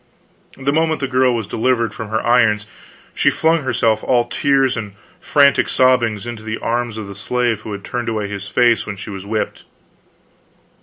The moment the girl was delivered from her irons, she flung herself, all tears and frantic sobbings, into the arms of the slave who had turned away his face when she was whipped.